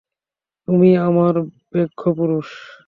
তুমিই আমার ব্যাঘ্রপুরুষ।